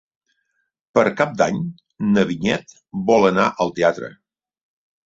Per Cap d'Any na Vinyet vol anar al teatre.